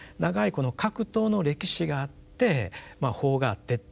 この格闘の歴史があって法があってっていうことですね。